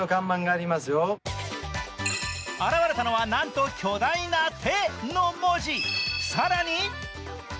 現れたのは、なんと巨大な「て」の文字。